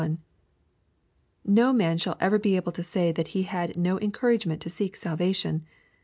No man shall ever be able to say that he had no encouragement to seek salvation.